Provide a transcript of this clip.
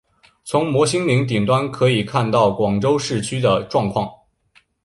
从摩星岭顶端可以看到广州市区的状况。